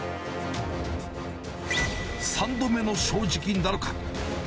３度目の正直なるか。